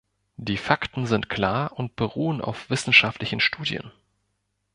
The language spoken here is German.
Die Fakten sind klar und beruhen auf wissenschaftlichen Studien.